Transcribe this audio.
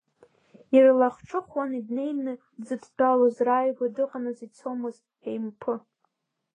Ирлахҿыхуан днеины дзыдтәалоз, рааигәа дыҟанаҵ ицомызт еимпы.